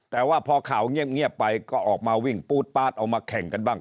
แต่ว่าพอข่าวเงียบไปก็ออกมาวิ่งปู๊ดป๊าดเอามาแข่งกันบ้าง